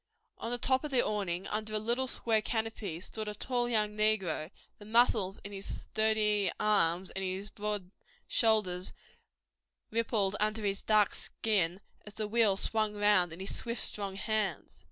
On the top of the awning, under a little square canopy, stood a tall young negro; the muscles in his sturdy arms and his broad shoulders rippled under his dark skin as the wheel swung round in his swift, strong hands.